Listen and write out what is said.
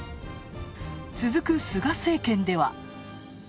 続く菅政権では。